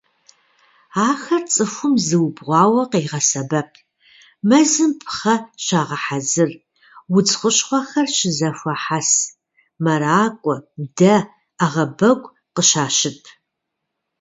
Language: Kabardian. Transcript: Ахэр цӀыхум зыубгъуауэ къегъэсэбэп: мэзым пхъэ щагъэхьэзыр, удз хущхъуэхэр щызэхуахьэс, мэракӀуэ, дэ, Ӏэгъэбэгу къыщащып.